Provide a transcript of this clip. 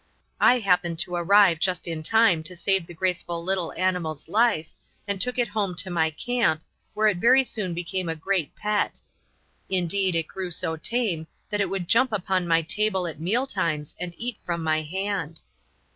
I happened to arrive just in time to save the graceful little animal's life, and took it home to my camp, where it very soon became a great pet. Indeed, it grew so tame that it would jump upon my table at meal times and eat from my hand.